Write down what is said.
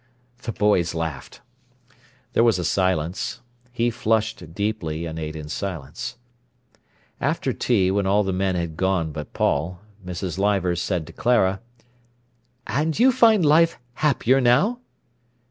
The boys laughed. There was a silence. He flushed deeply, and ate in silence. After tea, when all the men had gone but Paul, Mrs. Leivers said to Clara: "And you find life happier now?"